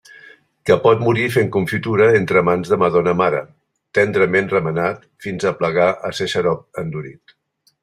Que pot morir fent confitura entre mans de madona mare, tendrament remenat fins a aplegar a ser xarop endurit.